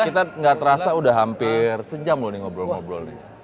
kita nggak terasa udah hampir sejam loh nih ngobrol ngobrol nih